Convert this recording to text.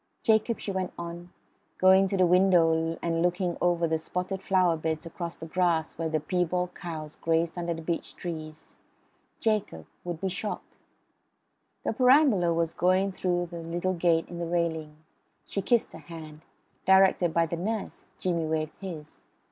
"Jacob," she went on, going to the window and looking over the spotted flower beds across the grass where the piebald cows grazed under beech trees, "Jacob would be shocked." The perambulator was going through the little gate in the railing. She kissed her hand; directed by the nurse, Jimmy waved his.